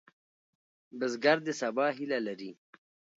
بزګر د سبا هیله لري